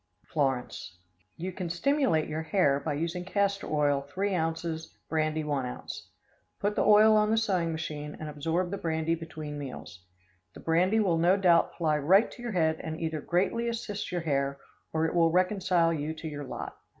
Florence. You can stimulate your hair by using castor oil three ounces, brandy one ounce. Put the oil on the sewing machine, and absorb the brandy between meals. The brandy will no doubt fly right to your head and either greatly assist your hair or it will reconcile you to your lot.